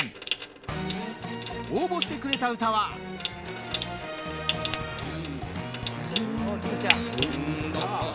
応募してくれた歌は「」きよし！